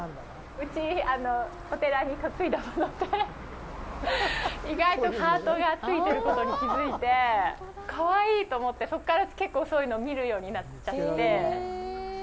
うち、お寺に嫁いだもので意外とハートがついてることに気づいて、かわいいと思ってそこから結構そういうの見るようになっちゃって。